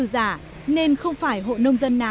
sinh sống tại quốc gia